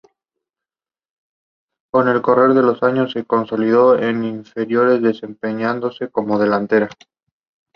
He was educated at the University of St Andrews.